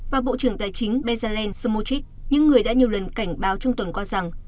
và bộ trưởng tài chính bezalel somotrick những người đã nhiều lần cảnh báo trong tuần qua rằng